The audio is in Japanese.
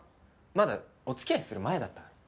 まだお付き合いする前だったから。